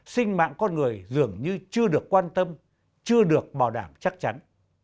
sinh mạng con người dường như chưa được quan tâm chưa được bảo đảm chắc chắn